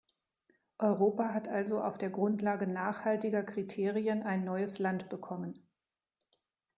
Europa hat also auf der Grundlage nachhaltiger Kriterien ein neues Land bekommen.